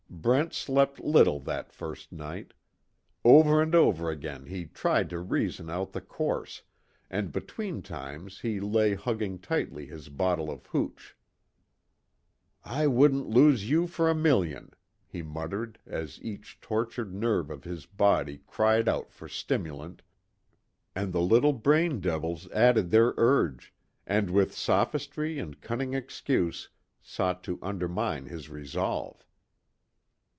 Brent slept little that first night. Over and over again he tried to reason out the course, and between times he lay hugging tightly his bottle of hooch. "I wouldn't lose you for a million," he muttered, as each tortured nerve of his body cried out for stimulant, and the little brain devils added their urge, and with sophistry and cunning excuse sought to undermine his resolve.